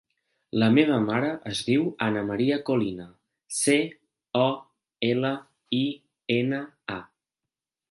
La meva mare es diu Ana maria Colina: ce, o, ela, i, ena, a.